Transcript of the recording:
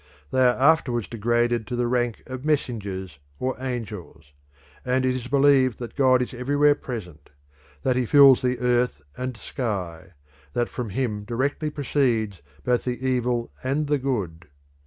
They are afterwards degraded to the rank of messengers or angels, and it is believed that God is everywhere present; that he fills the earth and sky; that from him directly proceeds both the evil and the good.